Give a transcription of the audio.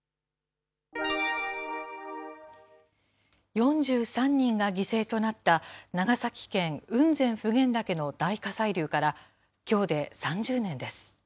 ４３人が犠牲となった、長崎県雲仙・普賢岳の大火砕流からきょうで３０年です。